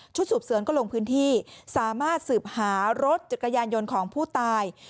สูบเสนก็ลงพื้นที่สามารถสืบหารถจักรยานยนต์ของผู้ตาย